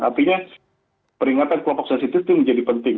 artinya peringatan kelompok sensitif itu menjadi penting